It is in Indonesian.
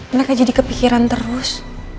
mereka jadi kepikiran terus